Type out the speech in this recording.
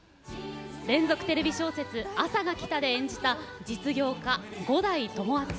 連続テレビ小説「あさが来た」で演じた実業家五代友厚。